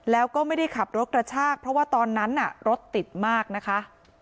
แล้วก็ไม่ได้ขับรถกระชากเพราะว่าตอนนั้นรถติดมากนะคะ